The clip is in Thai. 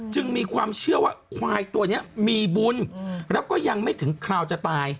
มีความเชื่อว่าควายตัวนี้มีบุญแล้วก็ยังไม่ถึงคราวจะตาย